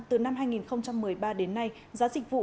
từ năm hai nghìn một mươi ba đến nay giá dịch vụ